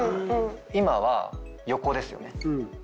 今は横ですよね。